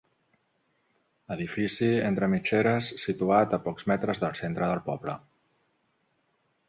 Edifici entre mitgeres situat a pocs metres del centre del poble.